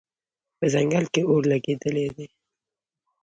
په ځنګل کې اور لګېدلی دی